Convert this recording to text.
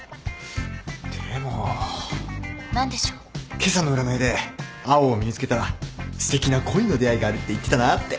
今朝の占いで青を身につけたらすてきな恋の出会いがあるって言ってたなぁって。